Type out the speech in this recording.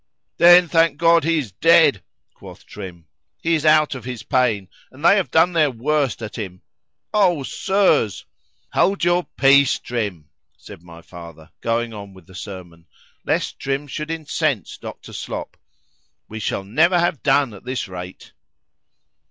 ——[Then, thank God,——he is dead, quoth Trim,—he is out of his pain,—and they have done their worst at him.—O Sirs!—Hold your peace, Trim, said my father, going on with the sermon, lest Trim should incense Dr. Slop,—we shall never have done at this rate.